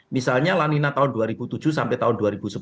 misalnya lanina tahun dua ribu tujuh sampai tahun dua ribu sebelas